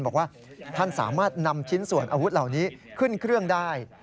บอกว่าท่านสามารถนำชิ้นส่วนอาวุธเหล่านี้ขึ้นเครื่องได้